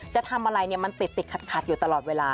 จะทำอะไรมันติดขัดอยู่ตลอดเวลา